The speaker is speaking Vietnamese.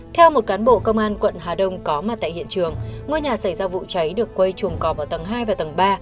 theo một cán bộ công an quận hà đông có mặt tại hiện trường ngôi nhà xảy ra vụ cháy được quây trùm cọp ở tầng hai và tầng ba